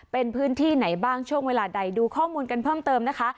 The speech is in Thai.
เป็นพื้นที่ไหนบ้างช่วงเวลาใดดูข้อมูลกันเพิ่มเติมนะคะ